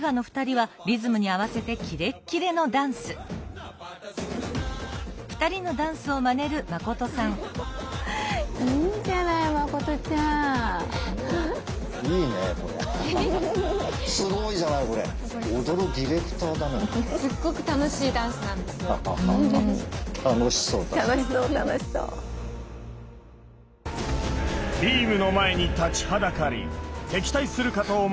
ビームの前に立ちはだかり敵対するかと思われた警察官のラーマ。